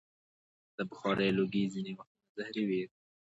د بخارۍ لوګی ځینې وختونه زهري وي.